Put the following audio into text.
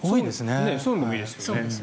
そういうのが多いですよね。